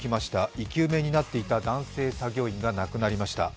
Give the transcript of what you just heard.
生き埋めになっていた男性作業員が亡くなりました。